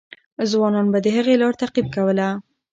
ځوانان به د هغې لار تعقیب کوله.